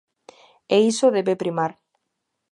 E iso debe primar.